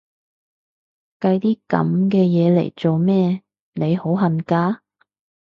計啲噉嘅嘢嚟做咩？，你好恨嫁？